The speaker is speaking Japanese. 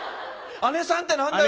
あねさんって何だよ